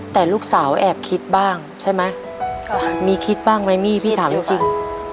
แต่ลูกสาวแอบคิดบ้างใช่ไหมมีคิดบ้างไหมมี่พี่ถามจริง